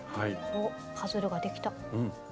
おっパズルができた。